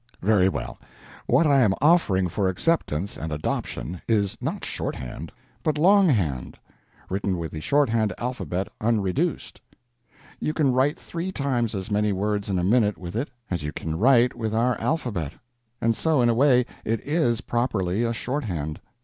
Very well, what I am offering for acceptance and adoption is not shorthand, but longhand, written with the Shorthand Alphabet Unreduced. You can write three times as many words in a minute with it as you can write with our alphabet. And so, in a way, it _is _properly a shorthand.